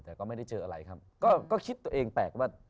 แต่ก็ไม่ได้เจออะไรครับ